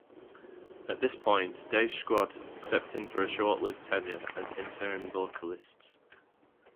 At this point, Dave Scrod stepped in for a short-lived tenure as interim vocalist.